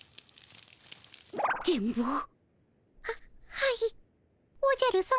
はいおじゃるさま。